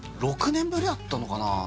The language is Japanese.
６年ぶりだったのかな